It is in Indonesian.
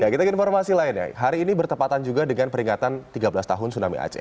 kita ke informasi lainnya hari ini bertepatan juga dengan peringatan tiga belas tahun tsunami aceh